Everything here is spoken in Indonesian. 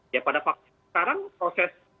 ya pada fakta sekarang proses